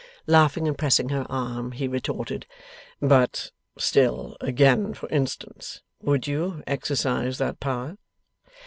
Laughing and pressing her arm, he retorted: 'But still, again for instance; would you exercise that power?